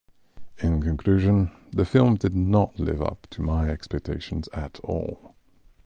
In conclusion, the film did not live up to my expectations at all.